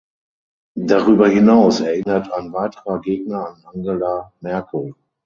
Darüber hinaus erinnert ein weiterer Gegner an Angela Merkel.